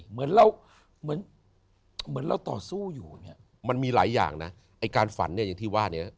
เหมือนเราเหมือนเหมือนเราต่อสู้อยู่เนี่ยมันมีหลายอย่างนะไอ้การฝันเนี่ยอย่างที่ว่าเนี่ย